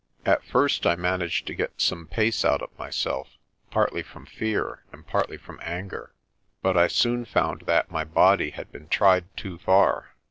At first I managed to get some pace out of myself, partly from fear and partly from anger. But I soon found that my body had been tried too far.